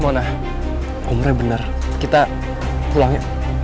mona omre bener kita pulang ya